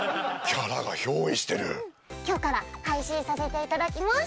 今日から配信させていただきます！